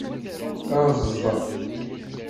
Ezḍ.